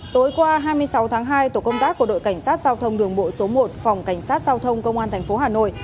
tối qua hai mươi sáu tháng hai tổ công tác của đội cảnh sát giao thông đường bộ số một phòng cảnh sát giao thông công an tp hà nội